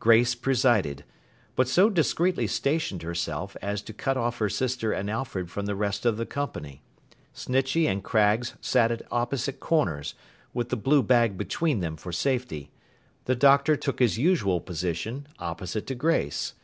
Grace presided; but so discreetly stationed herself, as to cut off her sister and Alfred from the rest of the company. Snitchey and Craggs sat at opposite corners, with the blue bag between them for safety; the Doctor took his usual position, opposite to Grace.